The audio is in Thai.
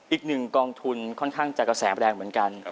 อีกหนึ่งกองทุนค่อนข้างจะกระแสแรงเหมือนกัน